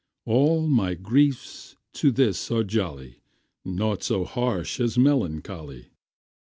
All my griefs to this are jolly, Naught so harsh as melancholy.